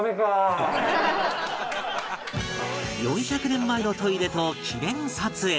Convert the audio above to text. ４００年前のトイレと記念撮影